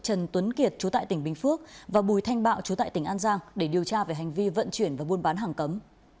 trần tuấn kiệt chú tại tỉnh bình phước và bùi thanh bạo chú tại tỉnh an giang để điều tra về hành vi vận chuyển và buôn bán hàng cấm